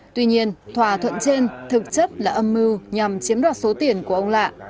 tuy nhiên thỏa thuận trên thực chất là âm mưu nhằm chiếm đoạt số tiền của ông lạ